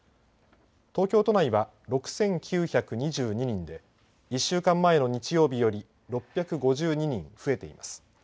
東京都内は６９２２人で１週間前の日曜日より６５２人増えています。